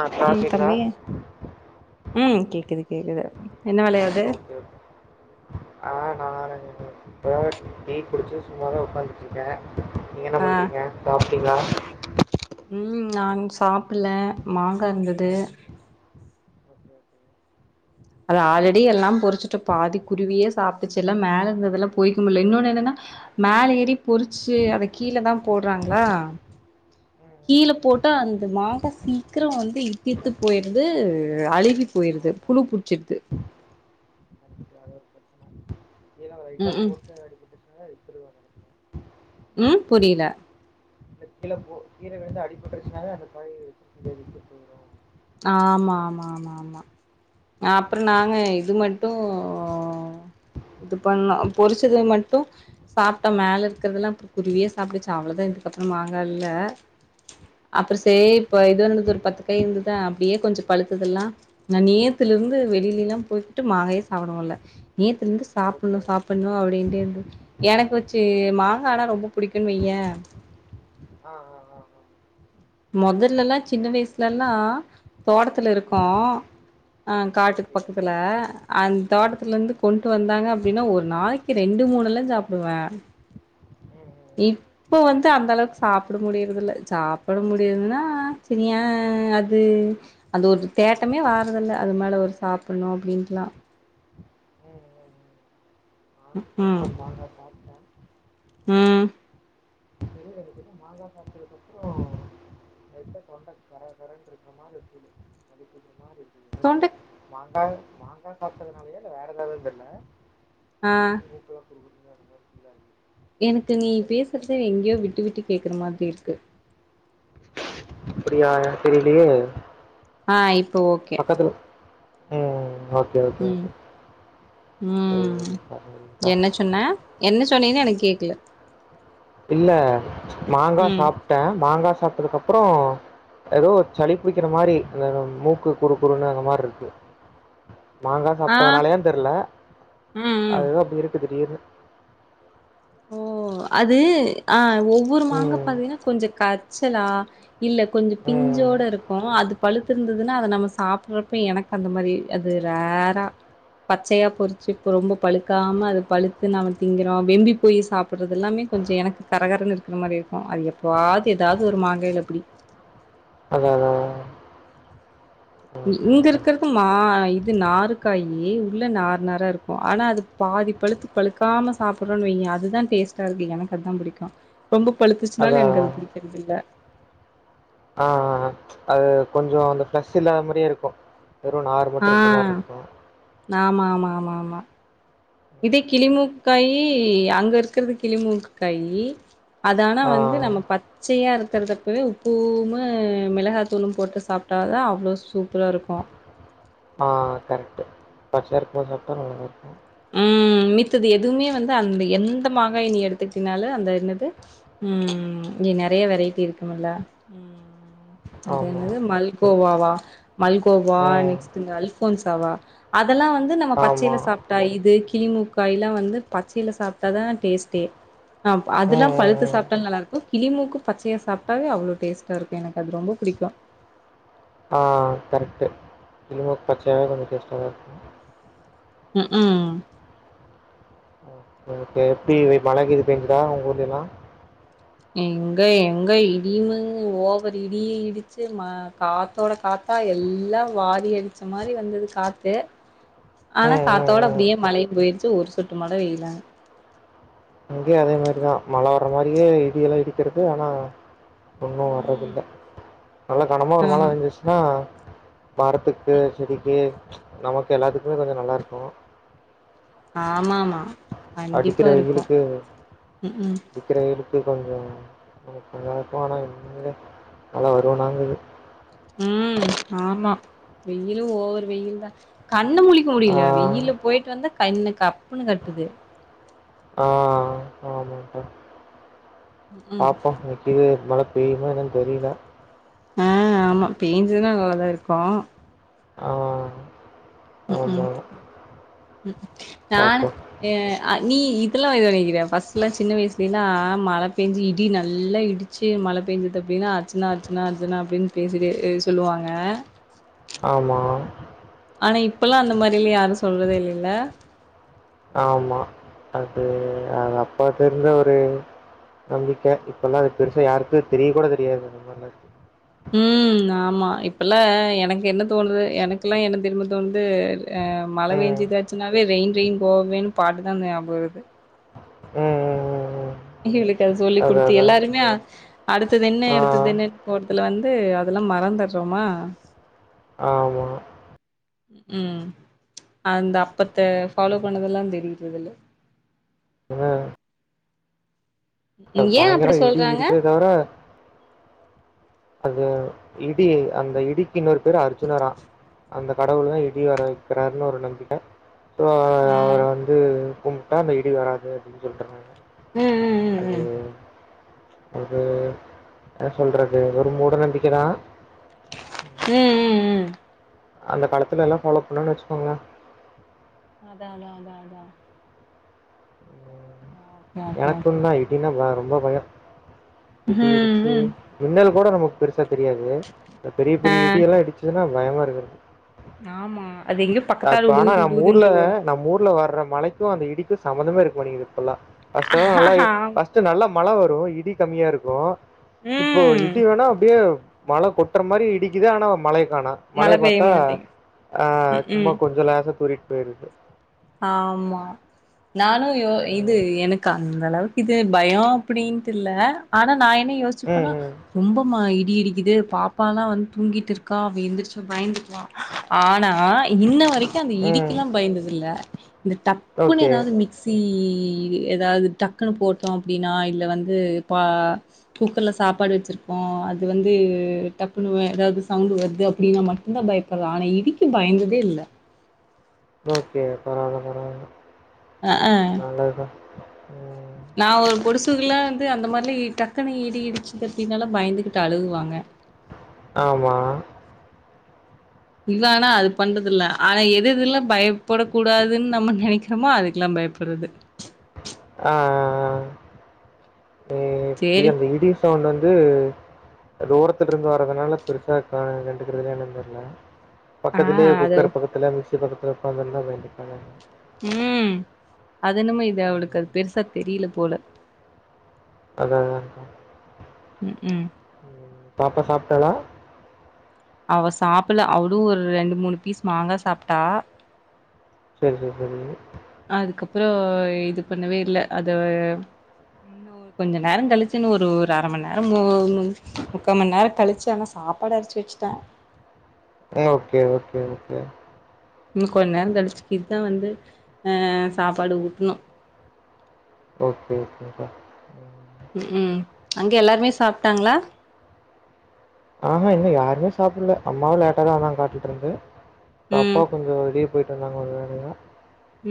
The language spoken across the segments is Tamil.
ஆ ம் சாப்பிட்டீங்களா தம்பி ம் கேக்குது கேக்குது என்ன வேலயா ஓக்கே ஓக்கே ஆ நானு இப்பதா டீ குடிச்சி சும்மா தா உக்காந்துட்ரு க்கே நீங்க என்ன ஆ பண்றீங்க சாப்ட்டீங்ளா ம் நா சாப்பிட்ல மாங்கா இருந்தது ஓகே ஓகே ம் ம் அது ஆல்ரெடி எல்லா பொறிச்சுட்டு பாதி குருவியே சாப்பிட்டுச்சு இல்ல மேலே இருந்ததெல்லா பொறிக்க முட்ல இன்னொன்னு என்னன்னா மேல ஏறி பொறிச்சு அத கீழ தா போட்றாங்ளா ம் கீழ போட்டா அந்த மாங்கா சீக்கிரோ வந்து இத்து இத்து போயிறுது அழுகி போயிறுது ஆமா புழு பு டிச்சிட்து கண்டிப்பா அது ஒரு பிரச்சனை ம் ம் ஹாய் இப்டி வர ம் புரியில இல்ல கீழ போ கீழ விழுந்து அடிபட்டுருச்சுனாலே அந்த காயி புழு வெக்க போது ஆமா ஆமா ஆமா ஆமா அப்புறோ நாங்க இது மட்டு இது பண்லா பொரிச்சத மட்டு சாப்ட்போ மேல இருக்கிறதுல்லா அப்றோ குருவியே சாப்ட்டுச்சு அவ்ளதா இதுக்கப்றோ மாங்கா இல்ல அப்றோ சரி சே சரி இப்ப சரி இது இருந்தது ஒரு பத்து காய் இருந்தது டா அப்டியே கொஞ்சோ பழுத்தது எல்லா நா நேத்துல இருந்து வெளியில எல்லா போயிட்டு மாங்காயே சாப்ட முடில நேத்துல இருந்து சாப்பிட்ணு ஓகே சாப்பிட்ணு அப்டின்ட்டு இருந்தது எனக்கு வச்சு மாங்கான்னா ரொம்ப புடிக்கும்ன்னு வெய்யே ஆ ஆ ஆ ஆ மொதல்ல எல்லா சின்ன ஓகே வயசுல எல்லா தோடத்துல ம் இருக்கும் அ காட்டுக்கு ஓகே பக்கத்துல ஓகே அந்த தோட்டத்துல இருந்து ம் கொண்டு வந்தாங்க அப்டின்னா ஒரு நாளைக்கு ரெண்டு மூனெல்லா சாப்புடுவ ம் ம் ம் ம் இப்போ வந்து அந்த அளவுக்கு சாப்புட முடியற்றது இல்ல சாப் போட முடியுதுன்னா சனியா அது அது ஒரு தேட்டமே வர்றதில்ல அது மேல ஒரு சாப்பிட்ணு அப்டின்ட்டுல்லா ம் ம் ம் நானும் ம் இப்போ தான் ம் ஒரு மாங்காய் சாப்பிட்டேன் ம் கிட்ட இருந்தது மாங்கா சாப்டதுக்கு அப்றோ லைட்டா தொண்ட கரகரன்னு இருக்க மாறி இருக்கு சளி புடிச்ச மாறி இருக் தொண்டக் மாங்கா மாங்கா சாப்ட்டதுனாலயா இல்ல வேற ஏதாவதா தெர்ல அ [unintelligible] எனக்கு நீ சளி போட்டு பேசுறதே எங்கயோ விட்டு விட்டு கேக்குற மாதிரி இருக்கு அப்டியா எனக் தெரியலையே ஆ இப்போ ஓகே பக்கத்துல ம் ஓகே ஓகே [unintelligible] ம் சாப்பட வேண்டியதுதா என்னா என்ன சொன்னீன்னே எனக்கு கேக்குல இல்ல மாங்கா ம் சாப்பிட்டே மாங்கா சாப்பிட்டதுக்கு அப்புறோ ஏதோ சளி பிடிக்கிற மாரி அ மூக்கு குறு குறுன்னு அந்த மார் இருக்கு மாங்கா ஆ சாப்ட்டதுனாலயான் தெரியல ம் ம் அது ஏதோ அப்டி இருக்கு திடீர்னு ஓ அது ஆ ஒவ்வொரு மாங்க ம் பாத்தீன்னா கொஞ்ச கச்சலா இல்ல கொஞ்ச ம் பிஞ்சோட இருக்கு அது பழுத்திருந்ததுன்னா அது நம்ம சாப்பிடுறப்ப எனக்கு அந்த மாரி அது ரேர்ரா பச்சையா பொறிச்சு இப்ப ரொம்ப பழுக்காம அது பழுத்து நாம திங்குறோ வெம்பி போய் சாப்பிட்றது எல்லாமே கொஞ்ச எனக்கு கரகரன்னனு இருக்கிற மாதிரி இருக்கு அது எப்போவது ஏதாவது ஒரு மாங்காய்யில அப்டி அதா அதா ஓகே இங் ஓகே இருக்கிறது மா இது நாரு காயி உள்ள நார் நாரா இருக்கு ஆனா அது பாதி பழுத்து பழுக்காம சாப்பிட்றன்னு வையே அதுதா டேஸ்ட்டா இருக்கு எனக்கு அதா புடிக்கு ரொம்ப பழுத்துச்சுனால அதா அதா எனக்கு அது புடிக்கிறதில்ல ஆ ஆ அ அது கொஞ்ச அந்த ஃப்ரெஷ் இல்லாத மாரியே இருக்கு வெறு நாரு மட்டு ஆ இருக்குற மாரி இருக்கு ஆமா ஆமா ஆமா ஆமா இதே கிளிமூ காயி அங்க இருக்கிறது கிளிமூக்குகாயி அதானா ஆ வந்து நம்ம பத் பச்சைய்யா இருறுக்கறதுப்பவே உப்பவும் மிளகாத்தூளும் போட்டு சாப்பிட்ட தா அவ்ளோ சூப்பரா இருக்கு ஆ கரெக்ட் பச்சையா இருக்கறது சாப்பிட்டா நல்லதா இருக்கு ம் மித்தது எதுவுமே வந்து அந்த எந்த மாங்காய் நீ எடுத்துட்டினாலு அந்த என்னது ம் இங்க நெறைய வெரைட்டி இருக்குமல்ல ம் அது ஆமா என்னது மல்கோவாவா மல்கோவா ம் நெக்ஸ் ட்டு இந்த அல்ஃபோன்சவா அதெல்லா வந்து நம்ம ஆமா பச்சையில சாப்ப ட்டா இது கிளிமூக்காயல்லா வந்து பச்சையில சாப்பிட்டாதா டேஸ்டே அப் அதெல்லா ம் பழு ம் து ம் சாப்பிட்டால நல்லாருக்கு கிளிமூக்கு பச்சைய சாப்பிட்டாவே அவ்ளோ டேஸ்ட்டாக இருக்கு எனக்கது ரொம்ப புடிக்கு ஆ கரெக்டு கிளிமூக்கு பச்சாவே கொஞ்சோ டேஸ்ட்டா தா இருக்கு ம்ஹூம் ஓகே எப்டி நா மழ கீது பேஞ்சுதா உங்க ஊர்லையெல்லா எங்க எங்க இடியமுன்னு ஓவர்ரு இடியு இடிச்சு ம கா காத்தேட காத்தா எல்லா வாரி அடிச்ச மாரி வந்தது காத்து ஆனா ம் ம் காத்தோட ம் அப்டியே மழையு போயிருச்சு ஒரு சொட்டமழை பெயலா இங்கயு அதே மாரிதா மழை வர்ர மாதிரியே இடியெல்லா இடிக்கிறது ஆனா ஒன்னு வர்றது ம் இல்ல நல்லா கனமா ஆ ஒரு மழ வஞ்ச்சுன்னா மரத்துக்கு செடிக்கு நமக்கு எல்லாத்துக்கு கொஞ்சோ நல்லா இருக்கு ஆமாமா கண்டிப்பா அடிக்கிற இருக்கு ம்ஹூ த்திரை இருக்கு கொஞ்சோ [unintelligible] ஆனா எங்கைங்க மழை வருனாங்க ம் ஆமா வெயிலு ஒவ்வொரு வெயில தா கண்ண மூழி ஆ முடியல வெயில போயிட்டு வந்தா கண்ணு கப்புன்னு கட்டுது ஆ ம் பாப்போ இன்னைக்கி கீது மழ பெய்யுதா என்னன்னு தெரியல ஆ ஆமா பேஞ்சுதுன்னா நல்லா தா இருக்கு ஆம்மா நானு அ நீ இதெல்லா [unintelligible] ஃபர்ஸ்ட்டுலா சின்ன வயசுலேல்லா மழ பெஞ்சு இடி நல்லா இடி ச்சு மழ பெஞ்சது அப்டின்னா அர்ச்சனா அர்ச்சனா அர்ச்சனா அப்டின்னு பேசிட்டே இது சொல்லுவாங்க ஆம்மா ஆனா இப்பெல்லா அந்த மாரிலா யாரு சொல்றதே இல்லேல்ல ஆமா அது அது அப்பதுருந்து ஒரு நம்பிக்க இப்ப எல்லா அது பெருசா யாருக்கு தெரிய கூட தெரியாது அந்த மாரிலா ம் நாமா இப்பெல்லா எனக்கு என்ன தோணுது எனக்கெல்லா என்ன தெரியுமா தோணுது அ மழ ம். பேஞ்சிதா ச்சுனாவே ரெயின் ரெயின் கோஅவேன் பாட்டு தா ஞாபகருது ம் ம் ம் ம் இவளுக்கு அத சொல்லிக் அதான், குடுத்து அதான். எல்லாருமே அடுத்தது என்ன ஆ, அடுத்தது என்ன போறதுல வந்து அதெல்லா மறந்தட்றோமா ஆமா ம் அந்த அப்பத்த ஃபாலோ பண்ணதெல்லா தெரியது இதுல ஏன்னா ஏ பயங்கர அப்டி இடி சொல்றாங்க இடிக்கத் தவர அது இடி அந்த இடிக்கு இன்னொரு பேரு அர்ஜுனரா அந்த கடவுள் தா இடி வர வெக்கிறாருன் ஒரு நம்பிக்க சோ அவர ஆ அவர வந்து கும்பிட்டா அந்த இடி வராது அப்டின் சொல்றாங்க ம் ம் அது ம் அது என்ன சொல்ற து ஒரு மூட நம்பிக்கதா ம் ம் ம் ம் அந்த காலத்துலெல்லா ஃபாலோ பண்ணன் வெச்சுக்கோங்ளே அதா அதா அதா அதா [unintelligible] ஓகே எனக்குந்தா இடின்னா ரொம்ப பயோ இடி ம் இடிச்சு ம் மின்னல் கூட நமக் கு பெருசா தெரியாது பெரிய ஆ பெரிய இடியெல்லா இடிச்சதுனா பயமா இருக்கு எனக்கு ஆமா அது எங்க பட் ஆனா நம்ம ஊர்ல நம்ம ஊர்ல வர்ற மழைக்கு அந்த இடிக்கு சம்மந்தமே இருக்க மாட்டேங்கது இப்பல்லா ஃபர்ஸ்ட்டு எல்லா நல்ல ஃபர்ஸ்ட்டு நல்லா மழ வரு இடி கம்மியா இருக்கு இப்போ ம் இடி வருனா அப்டியே மழ கொட்ற மாரி இடிக்குது ஆனா மழய காணோ மழ மழைய பெய்ய பாத்தா மாட்டேங்கு ஆ ம் ம் கொஞ்ச லேசா தூரிட் போயிருது ஆம்மா நானு யோ இது ம். எனக்கு அந்த அளவுக் இது பயோ அப்டின்ட்டு இல்ல ஆனா நா என்ன ம், யோசிப்பனா ம், ரொம்ப மா இடி இடிக்குது பாப்பால்லா வந்து தூங்கிட் இருக்கா அவ எந்திரிச்சா பயந்துடுவா ஆனா இன்ன வரைக் கு அந்த இடிக்க ம். எல்லா பயந்தது இல்ல இந்த டப்புனு ஓகே. ஏதாவது மிக் சீ ஏதாவது டக்குனு போட்டோ அப்டினா இல்ல வந்து பா குக்கர்ல சாப்பாடு வெச்சிருக்கோ அது வந்து டப்புன் வே எதாவது சவுண்ட் வருது அப்டினா மட்டுந்தா பயப் [unintelligible] இடிக்கு பயந்ததே இல்ல ஓகே பரவால பரவால அ ஆ நல்லது தா நா ஒரு பொடுசுகல்லா வந்து அந்த மாரிலா இ டக்குனு இடி இடிச்சுது அப்டின்னல்லா பயந்துக்கிட் அழுகுவாங்க ஆம்மா இல்ல ஆனா அது பண்றது இல்ல ஆனா எது இதெல்லா பயப்படக் கூடாதுன்னு நம்ம நெனைக்கிறோமோ அதுக்கெல்லா பயப்பட்றது அ அ அ ஏய் சேரி [unintelligible] ரேடியோ சவுண்ட் வந்து தூரத்துல இருந்து வர்றதுனால பெருசா கா கண்டுக்கிறதுன்னா என்னான்னு தெர்ல ஆ பக்கத்துலயே அது குக்கர் பக்கத்துல மிக்சி பக்கத்துல உக்காந்து இருந்தா கண்டிப்பா இதா ஆகும் ம் அது என்னமோ இது ம். அவளுக்கு அது பெருசா தெரியில போல அத்தா அத்தா ம் ம் பாப்பா சாப்ட்டாளா அவ சாப்பிட்ல அவளு ஒரு ரெண்டு மூனு பீஸ் மாங்கா சாப்ட்டா சேர் சேர் சேரி அதுக்கப்றோ இது பண்ணவே இல்ல அத இன்னு கொஞ்ச நேரோ கழிச்சி ஒரு ஒரு அர மணி நேர மு முக்கா மண் நேரோ கழிச்சு ஆனா சாப்பாடு அரைச்சு வச்சுட்ட ஓக்கே ஓக்கே ஓக்கே இன்னும் கொஞ்ச நேரோ கழிச்சிக் கீதுதா வந்து அ சாப்பாடு ஊட்ணு ஓக்கே ஓக்கே க்கா வே ம் ம் அங்க எல்லாருமே சாப்டாங்ளா அ அ இன்னும் யாருமே சாப்பிட்ல அம்மாவு லேட்டா தா வந்தாங்க காட்டுல இருந்து ம் அப்பா கொஞ்சோ லீவ் போயிட்டு வந்தாங்க ஒரு வேலயா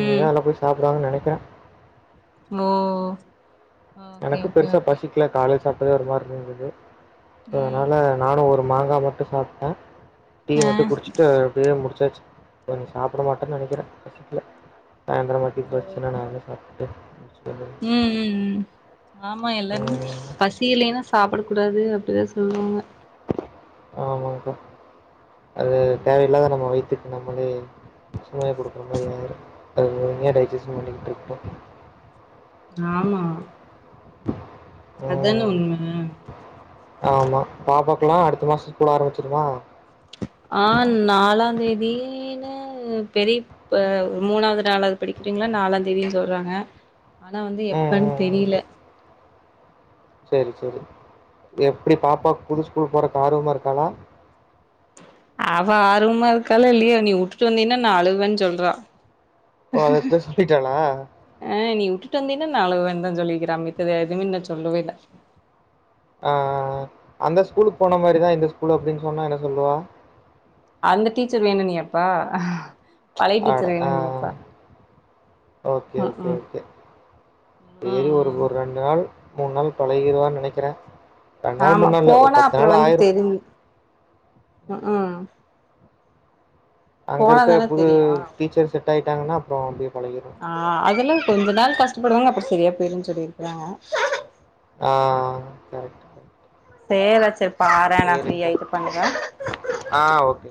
ம் இனிதா எல்லா போய் சாப்பிடுவாங்கன்னு நெனைக்கிறே ஓ ஓகே எனக்கும் ஓகே பெருசா ஓகே பசிக்கல காலைல சாப்ட்டதே ஒரு மாறி இருந்தது சோ ம் அதனால நானும் ஒரு மாங்கா மட்டு சாப்ட்ட டீ ஆ மட்டு குடிச்சுட்டு அப்டியே முடிச்சாச்சு இப்ப நீ சாப்பிட மாட்டேன்னு நெனைக்கிற பசிக்கில சாயந்தர மாட்டி பசி சின்னா நா வேணா சாப் து முடிச்சிட்டு வந்துரு ம் ம் ம் ஆமா எல்லாருமே பசியிலன்னா சாப்பிடக் கூடாது அப்டிதா சொல்லுவாங்க ஆமாங்கா அது ம் தேவையில்லாத நம்ம வயித்துக்கு நம்மளே சுமைய குடுக்குற மாறி இதாயிரும் அது முழுமையா டைஜிசன் பண்ணிட்டு இருக்கும் ஆமா அத்தான உண்மை ஆமா பாப்பாக்கெல்லா அடுத்த மாசோ ஸ்கூல் ஆரம்பிச்சிருமா ஆ நாலாந் தேதியின்னு பெரிட் மூனாவது நாலாவது படிக்கிறீவங்கெல்லா நாலாந் தேதினு சொல்றாங்க ஆனா வந்து ம் எப்பன்னு ம் தெரியில சேரி சேரி எப்டி பாப்பா புது ஸ்கூலுக்கு போறக்கு ஆர்வமா இருக்காளா அவ ஆர்வமா இருக்காலோ இல்லையோ நீ உட்டுட்டு வந்தீன்னா நா அழுவேன்னு சொல்றா ஓ அத இப்பவே சொல்லிட்டாளா அ நீ உட்டுட்டு வந்தீன்னா நா அழுவேனுதா சொல்லிகிறா மித்த எதுவுமே இன்னம் சொல்லவே இல்ல ஆ ஆ ஆ அந்த ஸ்கூலுக்கு போன மாறிறா இந்த ஸ்கூலும் அப்டின்னு சொன்னா என்ன சொல்லுவா அந்த டீச்சர் வேணுன்னு கேப்பா அட ஆ ஆ ஓத்கே ம் ஓக்கே ம் ஓக்கே சேரி ஒரு ம் ஒரு ரெண் டு நாள் மூன் நாள் பழகிருவான்னு நெனைக்கிற ஆமா போனா அப்புறோ வந்து ஆயிரும். தெரி ம் ம் அங்க போனா இருக்கிற தானே புது தெரியு டீச்சர் செட் ஆயிட்டாகனா அப்பறோ அப்டியே பழகிடு ஆ அதெல கொஞ்ச நாள் கஷ்டப்படுவாங்க அப்புற சரியா போயிடும்ன்னு சொல்லிருக்கறாங்க ஆ கரெக்ட். சேர் வச்சிரு பாறே நா சரிங்க்கா. ஃப்ரீயாயிட்டு பண்றே ஆ ஓகே